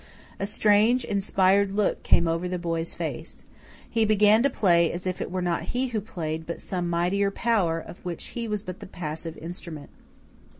A strange, inspired look came over the boy's face. He began to play as if it were not he who played, but some mightier power, of which he was but the passive instrument.